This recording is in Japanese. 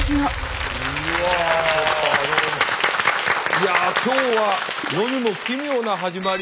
いや今日は世にも奇妙な始まり。